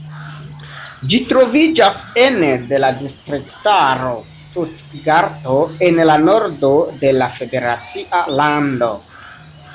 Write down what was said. Ĝi troviĝas ene de la distriktaro Stutgarto, en la nordo de la federacia lando.